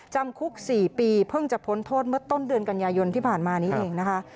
จำคุก๔ปีเพิ่งจะพ้นโทษเมื่อต้นเดือนกันยายนที่ผ่านมานี้เองนะคะ